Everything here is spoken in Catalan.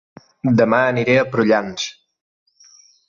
Dema aniré a Prullans